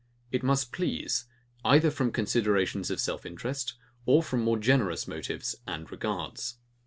It must please, either from considerations of self interest, or from more generous motives and regards.